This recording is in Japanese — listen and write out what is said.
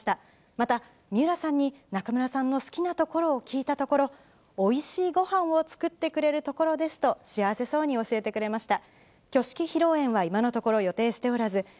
また、水卜さんに中村さんの好きなところを聞いたところ、おいしいごはんを作ってくれるところですと、幸せそうに教えてくれました。